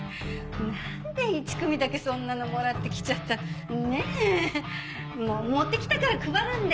なんで１組だけそんなのもらってきちゃったねえ。も持ってきたから配るんで。